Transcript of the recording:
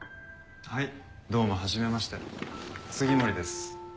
はいどうもはじめまして杉森です。